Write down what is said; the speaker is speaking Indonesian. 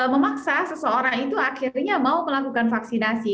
memaksa seseorang itu akhirnya mau melakukan vaksinasi